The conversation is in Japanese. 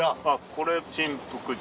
これ真福寺。